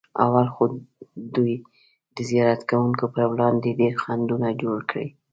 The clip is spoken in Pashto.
اول خو دوی د زیارت کوونکو پر وړاندې ډېر خنډونه جوړ کړي.